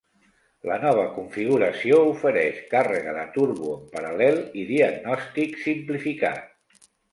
La nova configuració ofereix càrrega de turbo en paral·lel i diagnòstic simplificat.